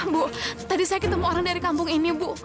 bu tadi saya ketemu orang dari kampung ini bu